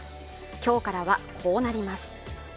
今日からは、こうなります。